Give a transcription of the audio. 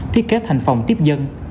thiết kế thành phòng tiếp dân